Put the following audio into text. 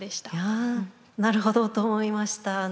いやなるほどと思いました。